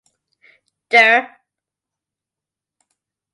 Dir.